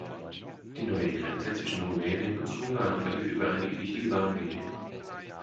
Die neue Grenze zwischen Rumänien und Ungarn verlief über einige wichtige Bahnlinien.